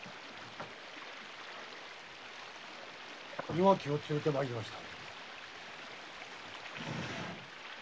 岩木を連れて参りました。